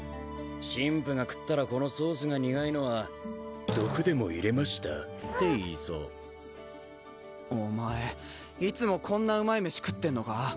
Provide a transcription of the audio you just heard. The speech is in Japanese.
神父が食ったらこのソースが苦いのは毒でも入れました？って言いそうお前いつもこんなうまい飯食ってんのか？